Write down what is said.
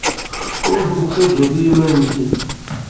Ur ten-ttajjat i yiman-nsen.